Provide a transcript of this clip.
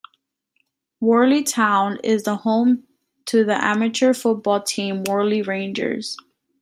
Warley Town is home to the amateur football team Warley Rangers.